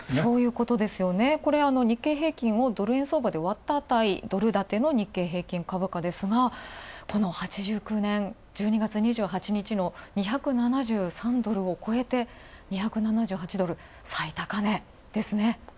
これ日経平均をドル円相場で割った値、ドル建ての日経平均株価ですが、この８９年、１２月２８日の２７３ドルを超えて２７８ドル、最高値ですね。